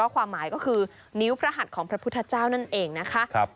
ความหมายก็คือนิ้วพระหัสของพระพุทธเจ้านั่นเองนะคะ